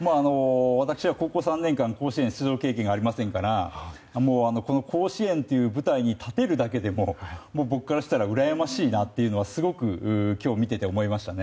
私は高校３年間甲子園出場経験がありませんからこの甲子園という舞台に立てるだけで僕からしたらうらやましいなというのはすごく今日、見ていて思いましたね。